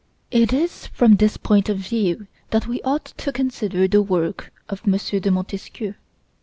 It is from this point of view that we ought to consider the work of M. de Montesquieu.